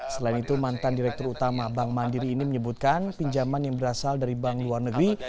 selain itu mantan direktur utama bank mandiri ini menyebutkan pinjaman yang berasal dari bank luar negeri